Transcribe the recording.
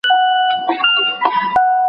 کله چي کتاب چاپېده هغه ډېر خوشحاله و.